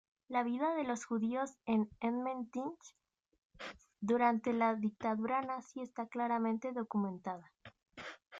La vida de los judíos en Emmendingen durante la dictadura nazi está claramente documentada.